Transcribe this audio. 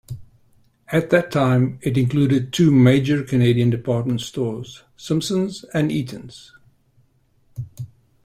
At that time it included two major Canadian department stores, Simpson's and Eaton's.